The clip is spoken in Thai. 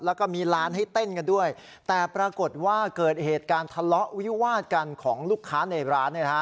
แล้วก็มีร้านให้เต้นกันด้วยแต่ปรากฏว่าเกิดเหตุการณ์ทะเลาะวิวาดกันของลูกค้าในร้านเนี่ยนะฮะ